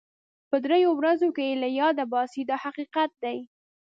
په دریو ورځو کې یې له یاده باسي دا حقیقت دی.